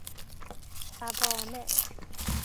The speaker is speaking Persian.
صوامع